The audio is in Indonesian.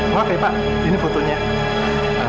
maaf ya pak ini fotonya